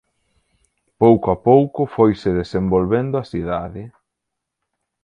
Pouco a pouco foise desenvolvendo a cidade.